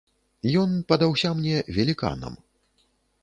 Ён падаўся мне веліканам.